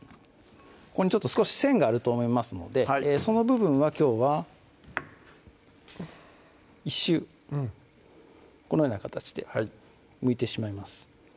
ここに少し線があると思いますのでその部分はきょうは１周このような形でむいてしまいます